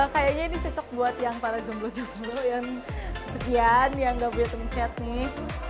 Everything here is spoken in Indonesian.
kayaknya ini cocok buat yang para jomblo jomblo yang kejadian yang enggak punya teman chat nih